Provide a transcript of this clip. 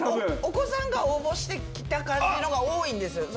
お子さんが応募してきた感じのが多いんですよ。